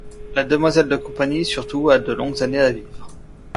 La demoiselle de compagnie surtout a de longues années à vivre.